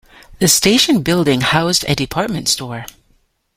The station building housed a department store.